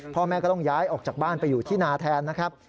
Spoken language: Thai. พ่อแม่ก็ต้องย้ายออกจากบ้านไปอยู่ที่นาแทนนะครับ